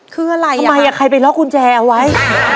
คิดอะไรอ่ะทำไมอ่ะใครไปลอกกุญแจเอาไว้